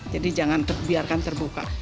jadi jangan biarkan terbuka